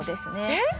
えっ！？